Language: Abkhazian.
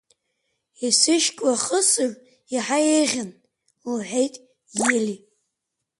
Исышьклахысыр еиҳа еиӷьын, – лҳәеит Ели.